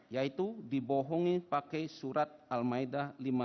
yaitu dibohongi pakai surat al maida lima puluh satu